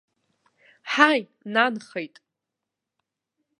Ҳаи, нанхеит!